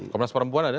komnas perempuan ada